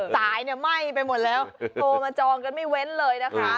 สายเนี่ยไหม้ไปหมดแล้วโทรมาจองกันไม่เว้นเลยนะคะ